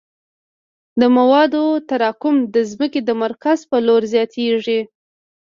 د موادو تراکم د ځمکې د مرکز په لور زیاتیږي